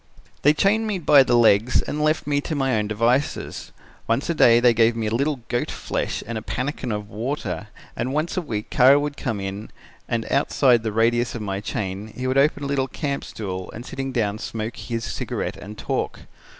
"They chained me by the legs and left me to my own devices. Once a day they gave me a little goat flesh and a pannikin of water and once a week Kara would come in and outside the radius of my chain he would open a little camp stool and sitting down smoke his cigarette and talk.